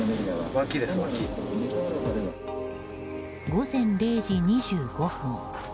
午前０時２５分。